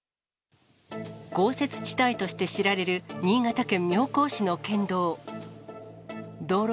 豪雪地帯として知られる新潟県妙高市の県道。